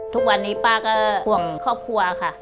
ทุกวันนี้ป้าก็ห่วงครอบครัวค่ะ